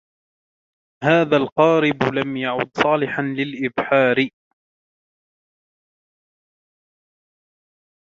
هذا القارب لم يعد صالحاً للإبحار.